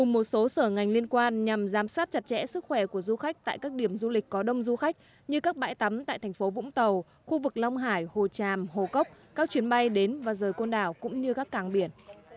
một số sở ngành liên quan nhằm giám sát chặt chẽ sức khỏe của du khách tại các điểm du lịch có đông du khách như các bãi tắm tại thành phố vũng tàu khu vực long hải hồ tràm hồ cốc các chuyến bay đến và rời côn đảo cũng như các cảng biển